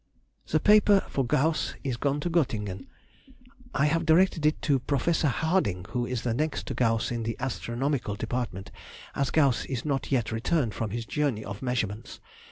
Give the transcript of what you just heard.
The paper for Gauss is gone to Göttingen. I have directed it to Professor Harding, who is the next to Gauss in the astronomical department, as Gauss is not yet returned from his journey of measurements.